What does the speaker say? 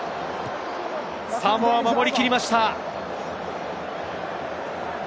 サモア、守り切りました。